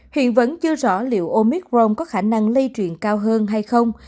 hiện vẫn chưa rõ liệu omicron có khả năng lây truyền cao hơn hay không